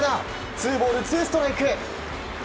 ツーボールツーストライク。